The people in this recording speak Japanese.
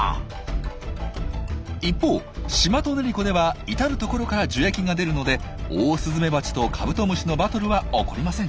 一方シマトネリコでは至る所から樹液が出るのでオオスズメバチとカブトムシのバトルは起こりません。